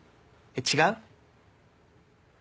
違う？